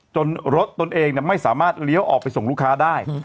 รถตนเองไม่สามารถเลี้ยวออกไปส่งลูกค้าได้